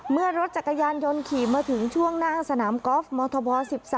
เมื่อรถจักรยานยนต์ขี่มาถึงช่วงหน้าสนามกอล์ฟมธบ๑๓